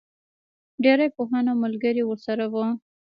ډېری پوهان او ملګري ورسره وو.